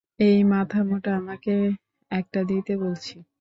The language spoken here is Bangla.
এই মাথামোটা, আমাকে একটা দিতে বলছি।